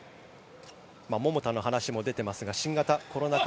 桃田の話も出ていますが新型コロナ禍